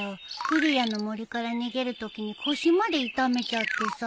ふるやのもりから逃げるときに腰まで痛めちゃってさ。